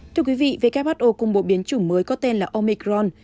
thưa quý vị who cùng một biến chủng mới có tên là omicron